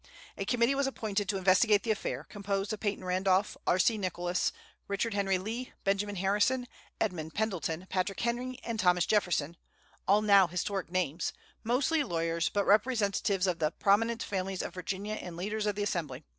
A committee was appointed to investigate the affair, composed of Peyton Randolph, R.C. Nicholas, Richard Henry Lee, Benjamin Harrison, Edmund Pendleton, Patrick Henry, and Thomas Jefferson, all now historic names, mostly lawyers, but representatives of the prominent families of Virginia and leaders of the Assembly.